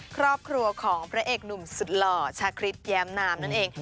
ครอบครัวของพระเอกหนุ่มสุดหล่อชาคริสแย้มนามนั่นเอง